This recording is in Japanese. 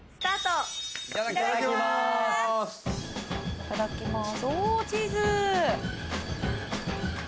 いただきます。